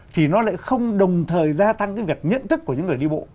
thì nó lại không đồng thời gia tăng cái việc nhận thức của những người đi bộ